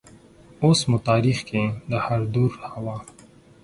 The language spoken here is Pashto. اوس مو تاریخ کې د هردور حوا